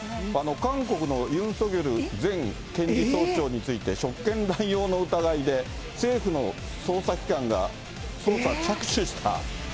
韓国のユン・ソギョル前検事総長について、職権乱用の疑いで政府の捜査機関が捜査着手した。